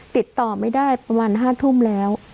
ติดต่อไม่ได้ประมาณ๕ทุ่มแล้ว